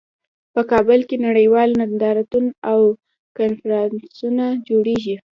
په کابل کې نړیوال نندارتونونه او کنفرانسونه جوړیږي